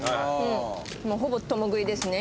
ほぼ共食いですね。